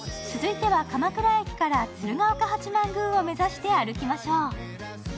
続いては鎌倉駅から鶴岡八幡宮を目指して歩きましょう。